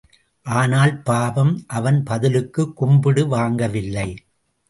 ஆனால் பாவம், அவன் பதிலுக்குக் கும்பிடு வாங்கவில்லை.